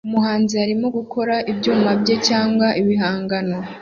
Umuhanzi arimo gukora ibyuma bye cyangwa ibihangano